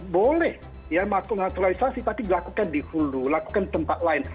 boleh ya melakukan naturalisasi tapi dilakukan di hulu lakukan di tempat lain